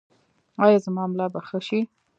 ایا زما ملا به ښه شي؟